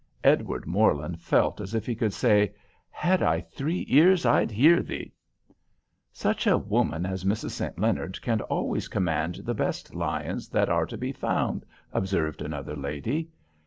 Edward Morland felt as if he could say, "Had I three ears I'd hear thee." "Such a woman as Mrs. St. Leonard can always command the best lions that are to be found," observed another lady.